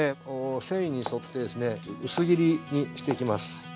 繊維に沿って薄切りにしていきます。